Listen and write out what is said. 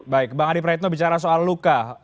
baik bang adi praitno bicara soal luka